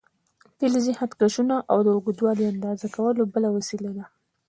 فلزي خط کشونه د اوږدوالي د اندازه کولو بله وسیله ده.